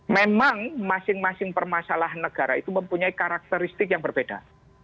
memang masing masing permasalahan negara itu mempunyai karakteristik yang berbeda